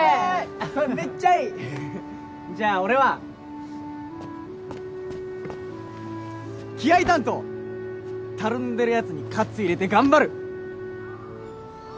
それめっちゃいいじゃあ俺は気合い担当たるんでるやつに活入れて頑張る